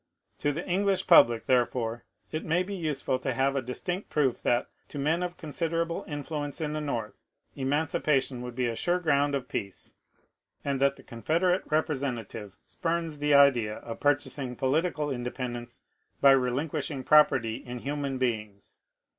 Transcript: To the English public, therefore, it may be useful to have a distinct proof that, to men of considerable influence in the North, emanci pation would be a sure ground of peace, and that the Confed erate representative spurns the idea of purchasing political independence by relinquishing property in human beings.